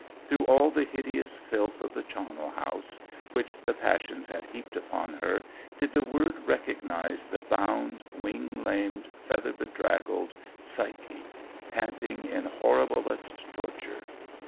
Through all the hideous filth of the charnel house, which the passions had heaped upon her, did the Word recognise the bound, wing lamed, feather draggled Psyche, panting in horriblest torture?